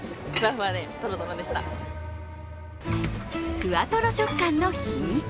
ふわとろ食感の秘密